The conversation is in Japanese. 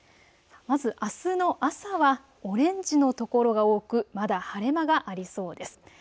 まずあすの朝はオレンジの所が多くまだ晴れ間がありそうです。